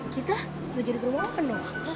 kita nggak jadi ke rumah wawan dong